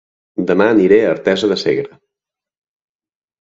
Dema aniré a Artesa de Segre